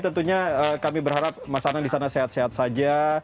tentunya kami berharap mas anang di sana sehat sehat saja